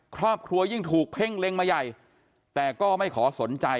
ครอบครัวยิ่งถูกเพ่งเล็งมาใหญ่แต่ก็ไม่ขอสนใจ